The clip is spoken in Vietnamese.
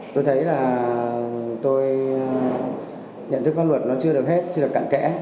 tôi thấy là tôi nhận thức pháp luật nó chưa được hết chưa được cạn kẽ